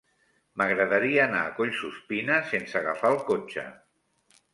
M'agradaria anar a Collsuspina sense agafar el cotxe.